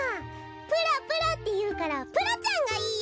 「プラプラ」っていうからプラちゃんがいいや！